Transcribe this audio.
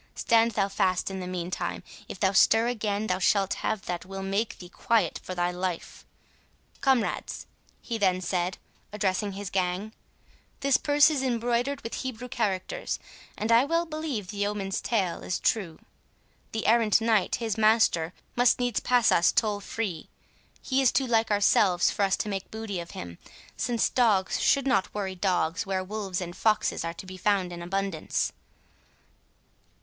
Stand thou fast in the meantime—if thou stir again, thou shalt have that will make thee quiet for thy life—Comrades!" he then said, addressing his gang, "this purse is embroidered with Hebrew characters, and I well believe the yeoman's tale is true. The errant knight, his master, must needs pass us toll free. He is too like ourselves for us to make booty of him, since dogs should not worry dogs where wolves and foxes are to be found in abundance."